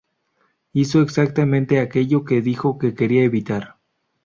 Hizo exactamente aquello que dijo quería evitar.